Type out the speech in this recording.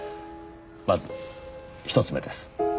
まず１つ目です。